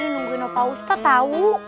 tadi dia nungguin pak ustadz tau